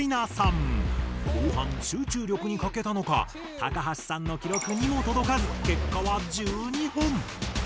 後半集中力に欠けたのか高橋さんの記録にも届かず結果は１２本。